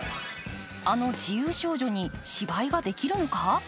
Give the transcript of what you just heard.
あの自由少女に、芝居ができるのか？